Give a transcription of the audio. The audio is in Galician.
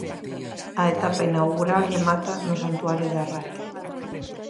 A etapa inaugural remata no santuario de Arrate.